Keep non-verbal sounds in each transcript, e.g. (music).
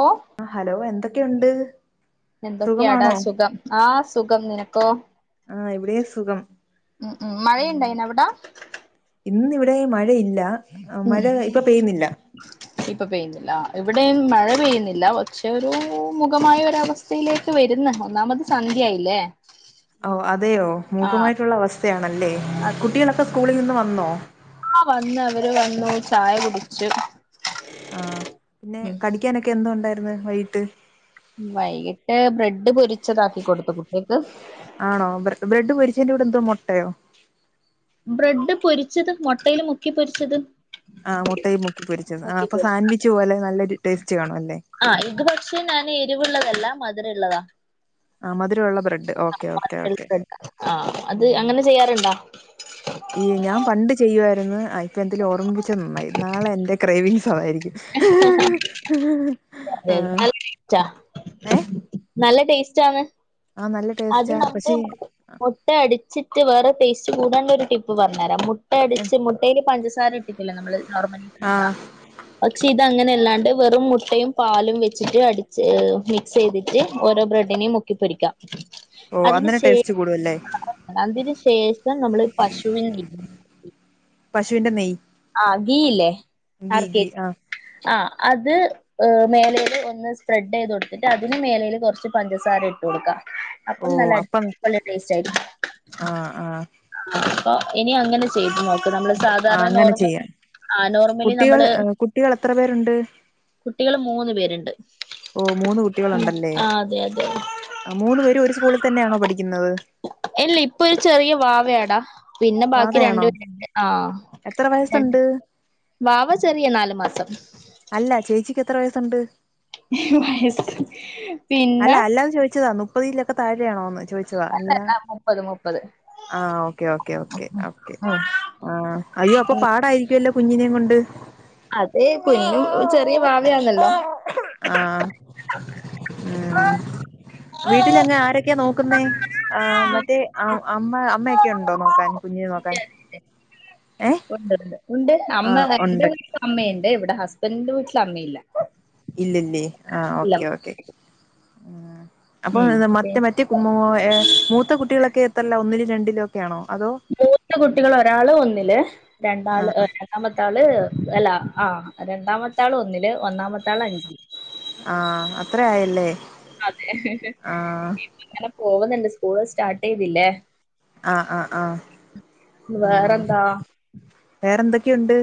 ഓ ആ ഹലോ എന്തൊക്കെയുണ്ട്? എന്തൊക്കെയാടാ സുഖമാണോ സുഖം. ആ സുഖം. നിനക്കോ? ആഹ് ഇവിടെയും സുഖം. ഉം, ഉം മഴയുണ്ടായിന അവിടാ? ഇന്നിവിടെ മഴയില്ല. ഉം മഴ ഇപ്പൊ പെയ്യുന്നില്ല. ഇപ്പൊ പെയ്യുന്നില്ല. ഇവിടെയും മഴ പെയ്യുന്നില്ല പക്ഷേ ഒരു മൂകമായ ഒരവസ്ഥ. സ്ഥയിലേക്ക് വരുന്ന് ഒന്നാമത് സന്ധ്യയായില്ലേ. ഓ അതേയോ? ആ മൂകമായിട്ടുള്ള അവസ്ഥയാണല്ലേ കുട്ടികളൊക്കെ സ്കൂളിൽ നിന്ന് വന്നോ? ആഹ് വന്ന് അവര് വന്നു ചായ കുടിച്ചു ആഹ് പിന്നെ ഉം കടിക്കാനൊക്കെ എന്തുണ്ടായിരുന്നു വൈകിട്ട്? വൈകിട്ട് ബ്രെഡ് പൊരിച്ചതാക്കി കൊടുത്തു കുട്ടിയക്ക് ആണോ? ബ്രഡ് പൊരിച്ചേന്റെ കൂടെന്തോ മൊട്ടയോ? ബ്രഡ് പൊരിച്ചത് മൊട്ടേല് മുക്കി പൊരിച്ചത് ആ് മൊട്ടയും മുക്കി പൊരിച്ചത് ആ മുക്കി അപ്പൊ പൊരിച്ചത് സാൻവിച്ച് പോലെ നല്ലൊരു ടേസ്റ്റ് കാണുവല്ലേ? ആഹ് ഇത്പക്ഷേ ഞാൻ എരിവുള്ളതല്ല മധുരള്ളതാ ആ മധുരമുള്ള ബ്രഡ് ആ മധുരള്ള ബ്രഡാ ആ അത് അങ്ങനെ ചെയ്യാറ്ണ്ടോ? ഇല്ല ഞാ പണ്ട് ചെയ്യുവായിരുന്നു ഇപ്പൊ എന്തായാലും ഓർമ്മിപ്പിച്ചത് നന്നായി നാളെ എൻ്റെ ക്രേവിങ്സ് അതായിരിക്കും ആഹ് (inaudible) നല്ല ടേസ്റ്റാന്ന് ആഹ് നല്ല ടേസ്റ്റ അത് നമ്മള് മുട്ട അടിച്ചിട്ട് വേറൊരു ടേസ്റ്റ് കൂടാള്ളൊരു ടിപ്പ് പറഞ്ഞരാം മുട്ട അടിച്ച് മുട്ടയില് പഞ്ചസാര ഇട്ടിട്ടല്ലോ നമ്മള് നോർമലിണ്ടാക്കാ? ആഹ് പക്ഷെ ഇതങ്ങനെയല്ലാണ്ട് വെറും മുട്ടയും, പാലും, വെച്ചിട്ട് അടിച്ച് മിക് സെയ്തിട്ട് ഓരോ ബ്രെഡിനിം മുക്കി പൊരിക്കാം ഓഹ് അന്നേരം ടേസ്റ്റ് കൂടുവല്ലേ? ആ അതിന് ശേഷം നമ്മള് പശുവിൻ നെയ്യ് ഇല്ലേ പശുവിന്റെ നെയ്യ് ആ ഗീയില്ലേ ഗീ ആർ ക്കേ ഗീ ജി? ആഹ് ആഹ് അത് ഏ മേലേല് ഒന്ന് സ്പ്രെഡ് ചെയ്തൊട്ത്തിട്ട് അതിന് മേലേല് കൊറച്ച് പഞ്ചസാരയിട്ടു കൊടുക്ക ഓ അപ്പം നല്ല അപ്പം അടിപൊളി ടേസ്റ്റായിരിക്കും ആഹ് ആഹ് ആഹ് ഇനി അങ്ങനെ ചെയ്തു നോക്ക് നമ്മള് ആ സാധാരണ അങ്ങനെ നോർമലി ആ നോർമലി നമ്മള് കുട്ടികളെത്ര പേരുണ്ട്? കുട്ടികൾ മൂന്ന് പേര്ണ്ട് ഓ മൂന്ന് ഉം കുട്ടികളുണ്ടല്ലേ ആഹ് അതെ അതെ ആ മൂന്ന് പേരും ഒരു സ്കൂളി തന്നെയാണോ പഠിക്കുന്നത്? ഇല്ല ഇപ്പൊ ഒരു ചെറിയ വാവെയാടാ പിന്നെ ബാക്കി രണ്ട് വാവയാണോ പേര്ണ്ട് ആഹ് എത്ര ര വയസ്സുണ്ട് വാവ ചെ റിയ നാല് മാസം അല്ല ചേച്ചിക്കെത്ര വയസ്സുണ്ട്? ഹ് വയസ്സ് പിന്നെ എല്ലാം ചോയ്ച്ചതാ നു പ്പതിലൊക്കെ താഴെയാണോന്ന് ചോദിച്ചതാ അല്ലാണ്ട് മുപ്പത് മുപ്പത് ആഹ് ഓക്കെ ഓക്കെ ഓക്കെ ആ അയ്യോ അപ്പൊ പാടായിരിക്കുവല്ലോ കുഞ്ഞിനേം കൊണ്ട് അതെ കുഞ്ഞും ഒരു ചെറിയ വാവയാണല്ലോ? ആഹ് ഉം അതെ വീട്ടിലങ്ങെ ആരക്കെ നോക്കുന്നേ? ആഹ് മറ്റേ അമ്മ അമ്മയൊക്കെയുണ്ടോ നോക്കാൻ കുഞ്ഞിനെ നോക്കാൻ? ഏഹ് ഉണ്ട്ണ്ട് ഉണ്ട് അമ്മ ആഹ് എന്റെ ഉണ്ട് വീട്ട്ല് അമ്മയ്ണ്ട് ഇവിടെ ഹസ്ബൻഡിന്റെ വീട്ടിലമ്മയില്ല ഇല്ലല്ലേ? ആ ഓക്കെ ഓക്കെ ഉം അപ്പൊ ഉം ഏ, മറ്റ മറ്റെ എഹ് മൂത്ത കുട്ടികളൊക്കെ എത്രെല്ല ഒന്നിലും രണ്ടിലും ഒക്കെയാണോ? അതോ? മൂന്ന് കുട്ടികൾ ഒരാള് ഒന്നില് രണ്ടാള് ഏ ആഹ് രണ്ടാമത്താള് അല്ല ആ രണ്ടാമത്താള് ഒന്നില് ഒന്നാമത്താള് അഞ്ചില് ആഹ് അത്ര ആയല്ലേ? അതെ ആഹ് അങ്ങനെ പോവുന്നുണ്ട് സ്കൂള് സ്റ്റാർട്ട് ചെയ്തില്ലേ ആഹ് ആഹ് ആഹ് ഉം വേറെന്താ വേറെന്തൊക്കെ ഉണ്ട്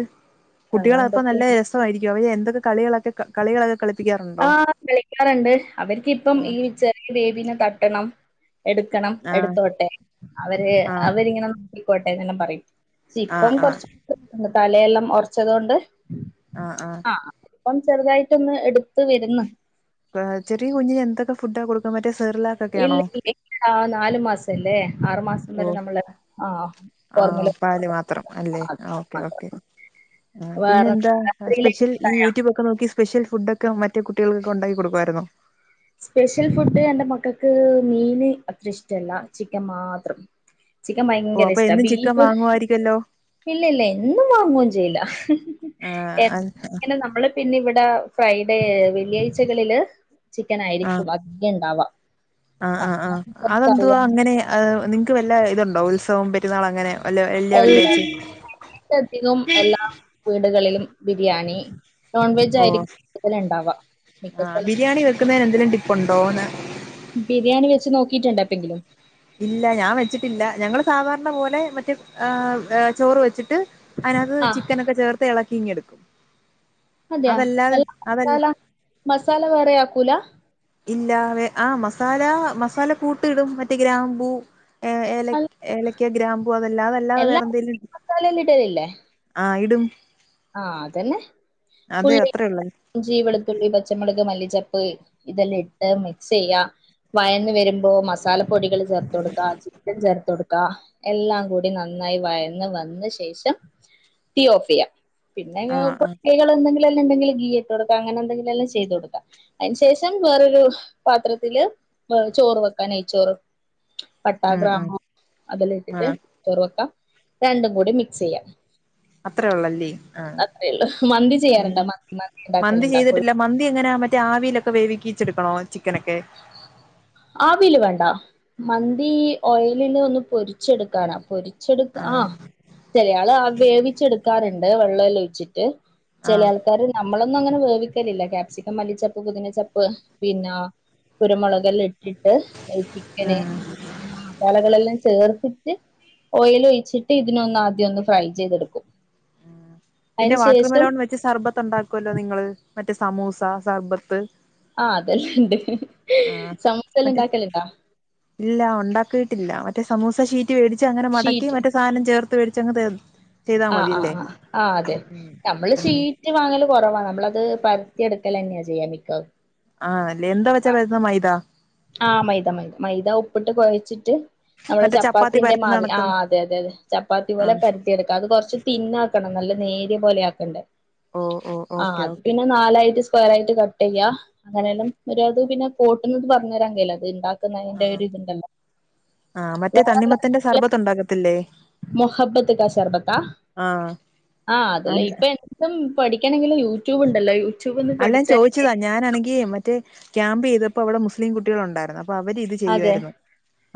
വേറെ കുട്ടികൾ അപ്പോ നല്ല എന്തൊക്കെയുണ്ട് സയിരിക്കും അവെ എന്തൊക്കെളികളൊക്കെ കളികള കളിപിക്കാ ആഹ് വിളിക്കാറ്ണ്ട് അവർക്ക്പ്പം ഈ ആഹ് ചെറിയ ബേബീ തട്ടണം എടുക്കണം ആഹ് എടുത്തോട്ടെ അവര് ആഹ് അവരിങ്ങനെ നിക്കോട്ടെ എന്നൊക്കെ പറയും ആഹ് ഇപ്പം കൊറച്ച്ണ്ട് തലെയെല്ലാം ഒറച്ചതൊണ്ട് ആഹ് ഇപ്പം ചെറുതായിട്ടൊന്ന് എടുത്ത് വര്ന്ന് ചെറിയ കുഞ്ഞിന് എന്തൊക്കെ ഫുഡാ കൊടുക്കും പറ്റ സെറില ഇല്ല ഇല്ല ആഹ് നാല് മാസംല്ലേ ആറുമാസം ഓ വരെ നമ്മള് ആഹ് ഫോർമുല ആഹ് പാല് മാത്രം അല്ലേ ഓക്കേ ഓക്കേ ആഹ് വേറെ പിന്നെന്താ രാത്രിയിലേക്ക് സ്പെഷ്യൽ ഈ ഫുഡായാ? യൂട്യൂബ് നോ ഒക്കെ നോക്കി സ്പെഷൽ ഫുഡ് ഒക്കെറ്റ കുട്ടികൾക്കെണ്ടാക്കി കൊടുവായിരിന്നോ? സ്പെഷ്യൽ ഫുഡ് എന്റെ മക്കൾക്ക് മീന് അത്ര ഇഷ്ടല്ല ചിക്കൻ മാത്രം ചിക്കൻ ഓ ഭയങ്കര അപ്പൊ ഇഷ്ട എന്നും ചിക്കൻ ബീഫ് വാങ്ങുവായിരിക്കല്ലോ ഇല്ലല്ല എന്നും വാങ്ങുന്നും ചെയ്യില്ല എന്ന ആഹ് ങ്ങനെ നമ്മള് പിന്നെ ഇവിടെ ഫ്രൈഡേ വെള്ളിയാഴ്ചകളില് ചിക്കൻ ആഹ് ആയിരിക്കും അധികം ഇണ്ടാവ ആഹ് ആഹ് ആഹ് അതെന്തുവാ അങ്ങനെ അഹ് നിങ്ങൾക്ക് വല്ല ഇതുണ്ടോ ഉത്സവം പറ്റുന്നാൾ അങ്ങനെ വ വലിയ വലിയ ധികം എല്ലാ വീടുകളിലും ബിരിയാണി നോൺവെജ് ഓ ആയിരിക്കും കൂടുതല് ഇണ്ടാവാ മിക്ക സ്ഥല ന്നേരെ എന്തെലുംടിപ്പുണ്ടോ എന്ന് ബിരിയാണി വെച്ച് നോക്കിട്ടുണ്ട് (unintelligible) ഇല്ല ഞാൻ വെച്ചിട്ടില്ല ഞങ്ങള് സാധാരണ പോലെ മറ്റേ ങ് ചോറ് വെച്ചിട്ട് അതിനകത്ത് ആ ചിക്കനൊക്കെ ചേർത്ത് ഇളക്കി ഇങ്ങ എടുക്കും അതെ (unintelligible) മസാല മസാല വറെ ആക്കൂല ഇല്ല ആഹ് മസാല മസാല കൂട്ട് ഇടും മറ്റേ ഗ്രാമ്പൂ ഏ ഏല അല്ല, ഏലക്ക ഗ്രാമ്പൂ അതെല്ലാ അതല്ലാതെ എല്ലാ വേറെ എന്തെലും മസാലയിലും ആഹ് ഇടും ആഹ് അതന്നെ അതെ അത്രേ ഉള്ളത് ഇഞ്ചി വെളുത്തുള്ളി പച്ചമുളക് മല്ലിച്ചപ്പ് ഇതെല്ലാം ഇട്ട് മിക്സെയ്യാ വയന്ന് വരുമ്പോ മസാല പൊടികൾ ചേർത്ത് കൊടുക്ക ചിക്കൻ ചേർത്ത് കൊടുക്കാ എല്ലാം കൂടി നന്നായി വയന്ന് വന്ന ശേഷം തീ ഓഫെയ്യ പിന്നെങ്ങനെ ആഹ് ആഹ് കുട്ടികള് എന്തെങ്കില എല്ലാം എന്തെങ്കും ഇട്ട് കൊടുക്കാം അങ്ങനെ എന്തെില എല്ലാം ചെയ്തു കൊടുക്കാം അയിന് ശേഷം വേറൊരു പാത്രത്തില് ചോറ് വെക്കാ നെയിച്ചോറ് പട്ടാ ഉം ഉം ഗ്രാമോ അതെല്ലാം ഇട്ടിട്ട് ആഹ് ചെറ് വെക്കാ രണ്ടും കൂടെ മിക്സെയ്യാ അത്രേ ഒള്ളല്ലേ അത്രയൊള്ളു മന്തി ചെയ്യാറുണ്ടാ മന്തി മന്താ മന്തി ഇണ്ടാക്കാറുണ്ട ചെയ്തിട്ടില്ല മന്തി എങ്ങനെ മറ്റേ ആവിയിലൊക്കെ വേവിക്കിച്ചെടുക്കണോ ചിക്കനൊക്കെ ആവിയില് വേണ്ട മന്തി ഓയിലില് ഒന്ന് പൊരിച്ചെടുക്കാനാ പൊരി ച്ചെടു ആഹ് ചെരിയാള് വേവിച്ചെടുക്കാറുണ്ട് വെള്ള മെല്ലാം ഒിച്ചിട്ട് ചെല ആഹ് ആൾക്കാര് നമ്മളൊന്നും അങ്ങനെ വേവിക്കലില്ല ക്യാപ്സിക്കം മല്ലിച്ചപ്പ് കുതിനച്ചപ്പ് പിന്നെ കുരുമുളകെല്ല ഇട്ടിട്ട് ചിക്കന് ഉം ആ മസാലകളെല്ലാം ചേർത്തിട്ട് ഓയിൽ ഒഴിച്ചിട്ട് ഇതിനൊന്ന് ആദ്യം ഒന്ന് ഫ്രൈ ചെയ്തെടുക്കും. ഉം പിന്നെ അതിന് വാട്ടർ ശേഷം മെലോൺ വെച്ച് സർബത്ത് ഉണ്ടാക്കുല്ലോ നിങ്ങള് മറ്റേ സമൂസ, സർബത്ത് ആ അതെല്ലണ്ട് ആ മറ്റേ ഇല്ല ഉണ്ടാക്കിയിട്ടില്ല മറ്റേ സമൂസ ശീ റ്റി വേടിച്ച് അങ്ങനെ മടക്കി ഷീറ്റ് മറ്റേ സാനം ചേർത്ത് മേടിച്ച് അങ്ങ് (unintelligible) ആ ആ ആ ആ അതെ നമ്മള് ഉം ചെയ്യ് റ്റ് വാങ്ങല് കൊറവാ നമ്മളത് പര്ത്തി എടുക്കലന്നെ ചെയ്യല് മിക്ക ആ അല്ലേ എന്താ വെച്ചാ പരുത്തുന്ന മൈദ? ആ മൈദ മൈദ മൈദ ഉപ്പ്ട്ട് കൊഴച്ചിട്ട് നമ്മള് മറ്റേ ചപ്പാത്തി ചപ്പാത്തിന്റെ പരത്തുന്ന മാവ് ആ കണക്ക് അതെ അതെ അതെ ചപ്പാത്തി പോലെ ആഹ് പര് യെടുക്കാ അത് കൊർച്ച് തിന്നാക്കണം നല്ല നേരിയ പോലെ ആക്കണ്ടേ. ഓ ഓ ആ ഓക്കെ അത് ഓക്കെ പിന്നെ നാലായിട്ട് സ്ക്വയർ ആയിട്ട് ക ട്ടയ്യ അങ്ങനെല്ലാം ഒരത് പിന്നെ കോട്ടുന്നത് പർഞ്ഞരാൻ കയ്യ്ല അത് എന്താ തിന്നാഞ്ഞിട്ട് ആഹ് ഒര് ഇത്ണ്ടല്ലോ (unintelligible) തന്റെ സർബത്ത് ഉണ്ടാകത്തില്ലേ? മുഹബത്ത്ക്ക സർബത്താ ആഹ് ആ അത് ലയ്പ്പൻ ഉം പഠിക്കണെങ്കിൽ യൂട്യൂബ് ഉണ്ടല്ലോ യൂ അല്ല ചോയിച്ചതാ ഞാനാണെങ്കി മറ്റേ ക്യാമ്പ് ചെയ്തപ്പോ അവടെ മുസ്ലിം കുട്ടികള് ഉണ്ടായിരുന്നു അ അപ്പ അവര്ത് അതെ ചെയ്യുവായിരുന്നു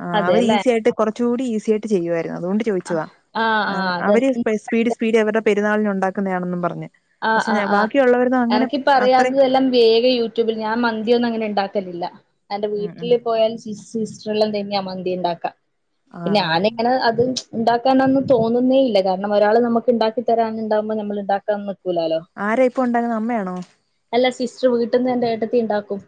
ആ അവര് അതെല്ലേ ഈസി ആയിട്ട് കൊറച്ചുകൂടി ഈസി ആയിട്ട് ചെയ്യുവായിരുന്നു അതുകൊണ്ട് ആഹ് ചോദിച്ചതാ ആഹ് ഏ ആഹ് അവര് അതെന്താ സ്പയ്സ് സ്പീഡ് പഠിക്കാ സ്പീഡ് അവര്ടെ പെരുന്നാളിന് ഉണ്ടാക്കുന്നതാണെന്നും പറഞ്ഞ് ആഹ് ആഹ് പക്ഷെ ആഹ് ബാക്കിയുള്ളവർതും അങ്ങനെ എനക്കിപ്പ അത്രയും അറിയാത്തതെല്ലാം വേഗ യൂട്യൂബിൽ ഞാൻ മന്തിയൊന്നും അങ്ങനെ ഇണ്ടാക്കലില്ല എന്റെ ഉം ഉം വീട്ടിൽ പോയാൽ (unintelligible) സിസ്റ്ററല്ലാം തന്നെയാ മന്തി ഇണ്ടാക്കാ പിന്നെ ഞാൻ ആഹ് അങ്ങനെ അത് ഇണ്ടാക്കാനെന്ന് തോന്നുന്നേ ഇല്ല കാരണം ഒരാൾ നമുക്ക് ഇണ്ടാക്കി തരാൻ ഇണ്ടാവുമ്പോ നമ്മൾ ഇണ്ടാക്കാന്ന് കുലാലോ ആരാ ഇപ്പം ഉണ്ടാക്കുന്നത് അമ്മയാണോ? അല്ല സിസ്റ്റർ വീട്ടിന്ന് എന്റെ ഏട്ടത്തി ഇണ്ടാക്കും.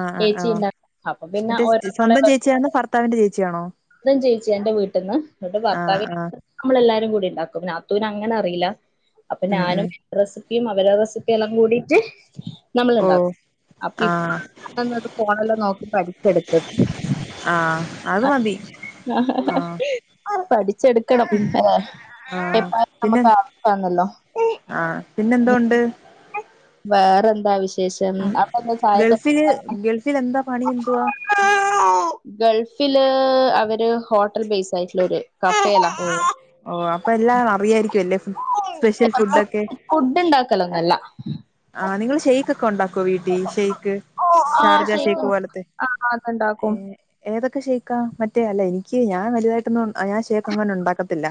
ആ ആ ആ ചേച്ചി ഇണ്ടാക്കും അപ്പൊ പിന്നെ മറ്റേ ചെ സ്വന്തം ചേച്ചിയാണോ ഭർത്താവിന്റെ ചേച്ചിയാണോ? സ്വന്തം ചേച്ചി എന്റെ വീട്ടിന്ന് ഇങ്ങട്ട് ആഹ് ഭർത്താവിന് ആഹ് നമ്മളെല്ലാരും കൂടി ഇണ്ടാക്കും നാത്തൂൻ അങ്ങനെ അറിയില്ല അപ്പ ഉം ഞാനും ഉം റെസിപ്പിയും അവര റെസിപ്പിയെല്ലാം കൂടിയിട്ട് നമ്മള് ഓഹ് ഇണ്ടാക്കും അപ്പി ആഹ് (unintelligible) ഫോണിൽ നോക്കി പഠിച്ചെടുത്തത് ആഹ് അത് മതി ആഹ് അഹ് പഠിച്ചെടുക്കണം പിൻ ഏ ആഹ് (unintelligible) ആ പിന്നെ എന്തുണ്ട്? വേറെന്താ വിശ് വിഷം അപ്പ എന്താ ചായക്ക് ഗൾഫില് ഗൾഫിൽ എന്താ പണി എന്തുവാ (unintelligible) ഗൾഫില് അവര് ഹോട്ടൽ ബേസ് ആയിട്ടുള്ള ഒരു കഫെലാ. ഓ ഓ അപ്പ എല്ലാം അറിയായിരിക്കുല്ലേ സ്പെഷ്യൽ ഫുഡൊക്കെ? ഫുഡ്‌ ഇണ്ടാക്കലൊന്നല്ല. ആ നിങ്ങള് ഷെയ്ഖ് ഉണ്ടാക്കോ വീട്ടിൽ ഷെയ്ക്ക് ഷാർജ ഷെയ്ക്ക് പോലത്തെ ആ ഏ? അതുണ്ടാക്കും ഏതൊക്കെ ഷെയ്ക്കാ? മറ്റേ അല്ല എനിക്ക് ഞാൻ വലുതായിട്ടൊന്നും ഞാൻ ഷെയ്ക്ക് അങ്ങനെ ഇണ്ടാക്കത്തില്ല.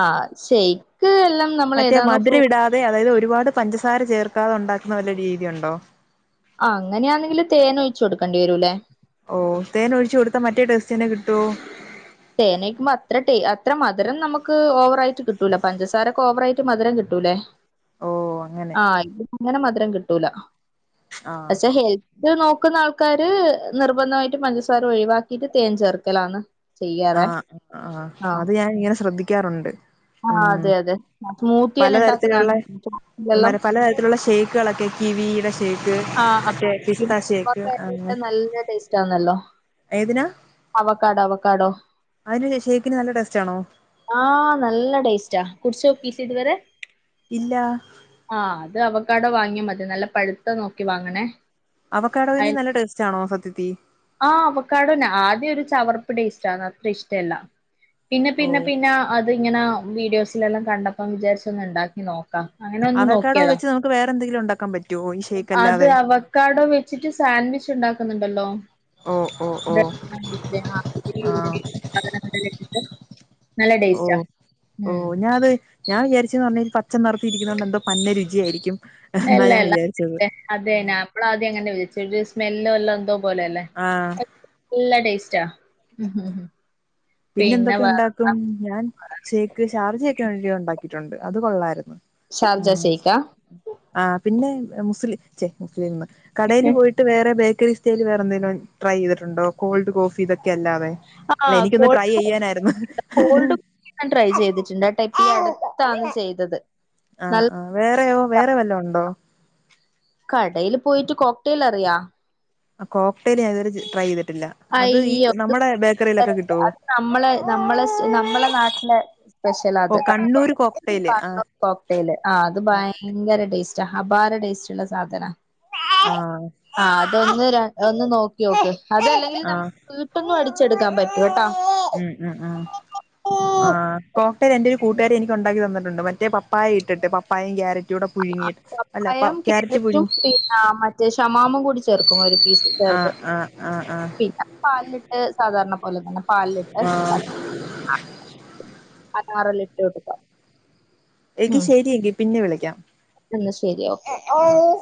ആ ഷെയ്ക്ക് എല്ലം മറ്റേ മധുരം ഇടാതെ അതായത് ഒരുപാട് പഞ്ചസാര ചേർക്കാതെ ഉണ്ടാക്കുന്ന വല്ല രീതിയുണ്ടോ ആഹ് അങ്ങനെയാണെങ്കില് തേന് ഒഴിച്ച് കൊടുക്കേണ്ടി വരൂലേ ഓഹ് തേൻ ഒഴിച്ചു കൊടുത്താ മറ്റേ ടേസ്റ്റന്നെ കിട്ടുവോ തേനെയ്കുമ്പോ അത്ര ടേ അത്ര മധുരം നമുക്ക് ഓവറായിട്ട് കിട്ടൂല പഞ്ചസാരൊക്കെ ഓവറായിട്ട് മധുരം കിട്ടൂലേ ഓ അങ്ങനെ ആഹ് ഇങ്ങനെ മധുരം കിട്ടൂല ആഹ് പക്ഷെ ഹെൽ ഇത് നോക്കുന്ന ആൾക്കാര് നിർബന്ധമായിട്ട് പഞ്ചസാര ഒഴിവാക്കിട്ട് തേൻ ചേർക്കലാണ് ചെയ്യാറേ ആഹ് ആഹ് അത് ഞാൻ ഇങ്ങനെ ശ്രദ്ധിക്കാറുണ്ട് ആഹ് ഉം അതെ അതെ സ്മൂത്തി എല്ലാം ഉണ്ടാക്കുന്നതെല്ലാം ത്തിലുള്ള ഷേക്കുകളൊക്കെ കിവിയുടെ ഷേക്ക് ആഹ് മറ്റേ ആഹ് പിസ്ത (unintelligible) ഷേക്ക് അങ്ങനെ ട്ട നല്ല ടേസ്റ്റ് ആണല്ലോ ഏതിനാ അവക്കാഡോ അവക്കാഡോ അതിന് ഷേക്കിന് നല്ല ടേസ്റ്റാണോ ആഹ് നല്ല ടേസ്റ്റാ കുട്ച്ചോക്കിയിട്ടില്ലേ ഇതുവരെ ഇല്ലാ ആഹ് അത് നമുക്ക് അവടെ വാങ്ങിയാ മതി നല്ല പഴുത്ത നോക്കി വാങ്ങണേ അവക്കെടവന് നല്ല ടേസ്റ്റ് ആണോ സത്യത്തി ആഹ് അവക്കെടോ ആദ്യം ഒരു ചവർപ്പ് ടേസ്റ്റാണ് അത്ര ഇഷ്ടല്ല പിന്നെ ഓ പിന്നെ പിന്നെ അത് ഇങ്ങനെ വീഡിയോസിലെല്ലാം കണ്ടപ്പം വിചാരിച്ച് ഒന്ന് ഉണ്ടാക്കി നോ ക്ക അങ്ങനെ ഒന്ന് അവക്കാടോ നോക്കിയതാ വെച്ച് നമുക്ക് വേറെ എന്തെങ്കിലും ഉണ്ടാക്കാൻ പറ്റുവോ ഈ ഷേക്ക് അത് അല്ലാതെ അവ കടോ വെച്ചിട്ട് സാൻഡ്വിച്ച് ഉണ്ടാക്കുന്നുണ്ടല്ലോ ഓ ഓ ഓ ആഹ് (unintelligible) നല്ല ടേസ്റ്റാ ഉം ഞാ ത് ഞാൻ വിചാരിച്ചു പർഞ്ഞ പച്ച നിറ ത്തിരിക്കുന്ന കൊണ്ട് എന്തോ പന്നരുചിയായിരിക്കും അല്ല അല്ല അതെന്നെ ആപ്പള ആദ്യം അങ്ങനെ (unintelligible) ഒരു സ്മെല്ലും എല്ലാം എന്തോ പോല അല്ലേ ആഹ് നല്ല ടേസ്റ്റാ പിന്നെ എന്തൊക്കെ ഉണ്ടാക്കും ഞാൻ ഷേക്ക് ഷാർജൊക്കെ ഉണ്ടാക്കിയിട്ടുണ്ട് അത് കൊള്ളായിരുന്നു ഷാർജ ഉം ഷെയ്ക്കാ ആ പിന്നെ മുസ്ലി ചെ മുസ്ലിംന്ന് കടേല് പോയി ട്ട് വേറേ ബേക്കറി സ്റ്റൈൽ വേറെ എന്തെലും ട്രൈ ചെയ്തിട്ടുണ്ടോ കോൾഡ് കോഫി ഇതൊക്കെല്ലാ ആഹ് കോൾ ട്രൈ ചെയ്യാനായിരുന്നു ഞാൻ ട്രൈ ചെയ്തിട്ടുണ്ട് ആ ടെപ്പി അടുത്താണ് ചെയ്തത് ആഹ് നല്ല ആഹ് വേറെയോ വേറെ വല്ല ഉണ്ടോ കടയിൽ പോയിട്ട് കോക്ടേൽ അറിയാ ആ കോക്ടൈൽ ഞാ ഇതുവരെ ട്രൈ ചെയ്തിട്ടില്ല അത് ഈ അയ്യോ നമ്മുടെ ബേക്കറിയിലൊക്കെ (unintelligible) കിട്ടുവോ അത് നമ്മളെ നമ്മളെ നമ്മളെ നാട്ടിലെ സ്പെഷ്യൽ ഓ ആത് കണ്ണൂർ കോക്ടെയില് ആ കണ്ണൂർ കോക്ടൈൽ ആ അത് ഭയങ്കര ഭയങ്കര ടേസ്റ്റ അബാര ടേസ്റ്റ് ള്ള സാധന ആഹ് ആ അതൊന്ന് ര ഒന്ന് നോക്കി നോക്ക് അത് അല്ലെങ്കിൽ ആ നമ്മക്ക് വീട്ട്ന്നും അടി ച്ചെടുക്കാൻ പറ്റൂട്ടാ ഉം കോക്ട്ടയിൽ എന്റെ ഒരു കൂട്ടുകാരി എനിക്ക് ഉണ്ടാക്കി തന്നിട്ടുണ്ട് മറ്റെ പപ്പായ ഇട്ടിട്ട് പപ്പായിം ക്യാര റ്റൂടെ പുഴുങ്ങിയിട്ട് അല്ല പ പപ്പായം ക്യാരറ്റ് കാരറ്റും പുഴുങ്ങി പിന്നെ മറ്റേ ഷമാമും കൂടി ചേർക്കും ഒരു ആ ആഹ് ആഹ് ആഹ് പാലില്ട്ട് സാധാരണ പോലെ തന്നെ പാലിലിട്ട് ആ ആഹ് അനാറെല്ല ഇട്ട് വെക്കാ എങ്കി ശരിയങ്കി പിന്നെ വിളിക്കാം എന്ന ശരി ഓക്കേ ആ ഓക്കെ